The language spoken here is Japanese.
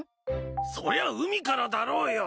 そりゃ海からだろうよ。